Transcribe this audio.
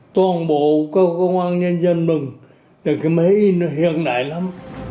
toàn bộ các công an nhân dân mừng là cái máy in nó hiện đại lắm